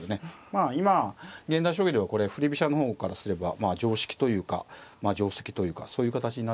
まあ今現代将棋ではこれ振り飛車の方からすれば常識というか定跡というかそういう形になってます。